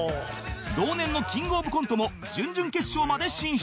同年のキングオブコントも準々決勝まで進出した